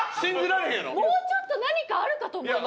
もうちょっと何かあるかと思いました。